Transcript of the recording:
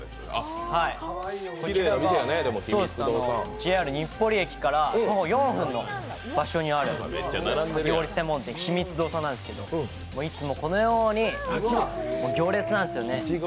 ＪＲ日暮里駅から徒歩４分の場所にあるかき氷専門店、ひみつ堂さんなんですけど、いつもこのように行列なんですよね。